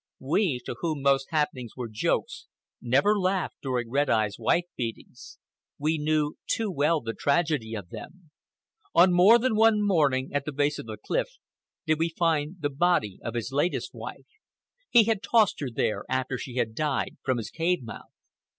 We, to whom most happenings were jokes, never laughed during Red Eye's wife beatings. We knew too well the tragedy of them. On more than one morning, at the base of the cliff, did we find the body of his latest wife. He had tossed her there, after she had died, from his cave mouth.